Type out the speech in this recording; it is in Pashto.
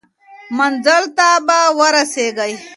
منزل ته به ورسیږئ.